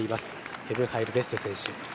ヘヴン・ハイル・デッセ選手。